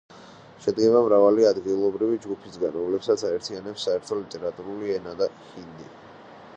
შედგება მრავალი ადგილობრივი ჯგუფისაგან, რომლებსაც აერთიანებს საერთო ლიტერატურული ენა ჰინდი.